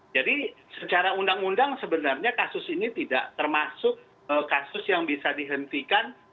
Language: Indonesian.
jadi secara undang undang sebenarnya kasus ini tidak termasuk kasus yang bisa dihentikan